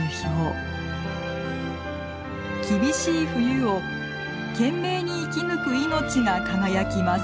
厳しい冬を懸命に生き抜く命が輝きます。